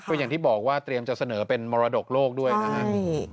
ก็อย่างที่บอกว่าเตรียมจะเสนอเป็นมรดกโลกด้วยนะครับ